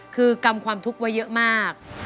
คือกรรมความทุกข์ว่าเยอะมาก